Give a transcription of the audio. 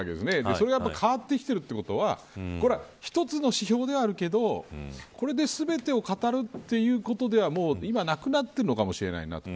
それが変わってきているということはこれは一つの指標ではあるけれどもこれで全てを語るということではもう今はなくなってるのかもしれないなと。